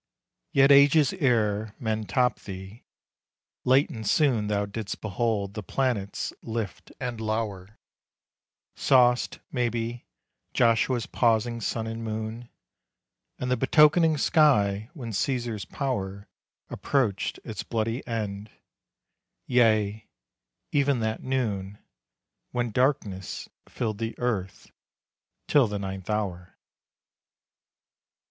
Yet ages ere men topped thee, late and soon Thou didst behold the planets lift and lower; 10 Saw'st, maybe, Joshua's pausing sun and moon, And the betokening sky when Caesar's power Approached its bloody end; yea, even that Noon When darkness filled the earth till the ninth hour.